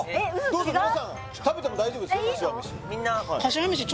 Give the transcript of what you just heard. どうぞ皆さん食べても大丈夫ですよいいの？